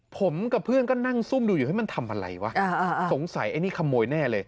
ผมกับเพื่อนก็นั่งซุ่มดูอยู่เฮ้มันทำอะไรวะสงสัยไอ้นี่ขโมยแน่เลย